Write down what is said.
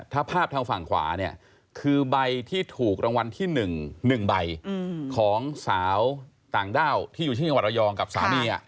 ถ้าภาพทางฝั่งขวาเนี่ยคือใบที่ถูกรางวัลที่๑๑ใบของสาวต่างด้าวที่อยู่ที่จังหวัดระยองกับสามี